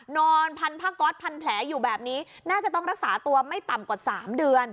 นอนพันผ้าก๊อตพันแผลอยู่แบบนี้น่าจะต้องรักษาตัวไม่ต่ำกว่า๓เดือน